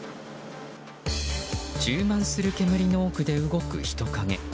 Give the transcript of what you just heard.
充満する煙の奥で動く人影。